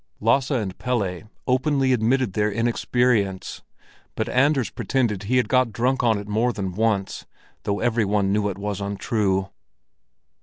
Lasse and Pelle openly admitted their inexperience; but Anders pretended he had got drunk on it more than once, though every one knew it was untrue.